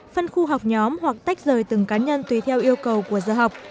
phân khu học nhóm hoặc tách rời từng cá nhân tùy theo yêu cầu của giờ học